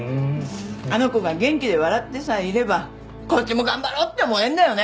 あの子が元気で笑ってさえいればこっちも頑張ろうって思えるんだよね。